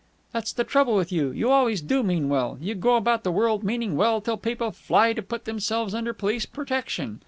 "That's the trouble with you. You always do mean well. You go about the world meaning well till people fly to put themselves under police protection.